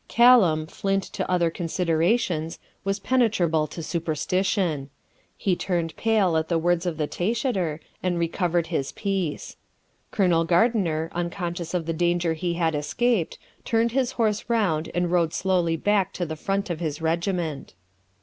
Callum, flint to other considerations, was penetrable to superstition. He turned pale at the words of the taishatr, and recovered his piece. Colonel Gardiner, unconscious of the danger he had escaped, turned his horse round and rode slowly back to the front of his regiment.